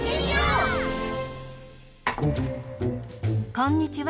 こんにちは。